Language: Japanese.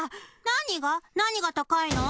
何が高いの？